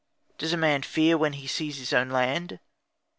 Does a man fear when he sees his own land?